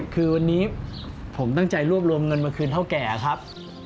คือวันนี้ผมตั้งใจรวบรวมเงินมาคืนเท่าแก่ครับ